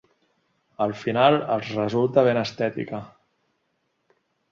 Al final, els resulta ben estètica.